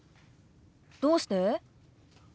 どうして？